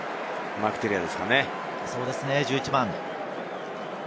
マーク・テレアですかね？